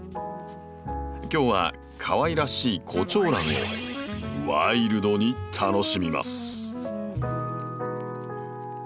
今日はかわいらしいコチョウランをワイルドに楽しみます。